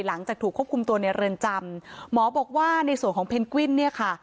หลังจากถูกควบคุมตัวในเรือนจำหมอบอกว่าในส่วนของเพนกวินเนี่ยค่ะ